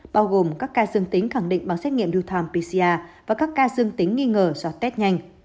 bao gồm các ca dương tính khẳng định bằng xét nghiệm reuthampia và các ca dương tính nghi ngờ do test nhanh